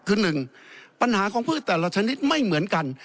คือหนึ่งปัญหาของพืชแต่ละชนิดไม่เหมือนกัน